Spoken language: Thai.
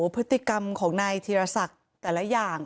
พฤติกรรมของนายธีรศักดิ์แต่ละอย่าง